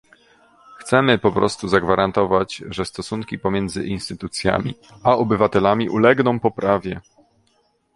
Chcemy po prostu zagwarantować, że stosunki pomiędzy instytucjami a obywatelami ulegną poprawie